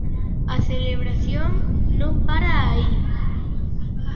A celebración non para aí.